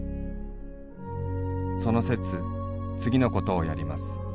その節次のことをやります。